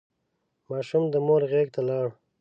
ماشوم د مور غېږ ته لاړ.